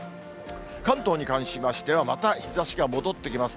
関東に関しましては、また日ざしが戻ってきます。